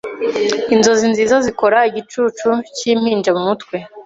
Inzozi nziza zikora igicucu cyimpinja mumutwe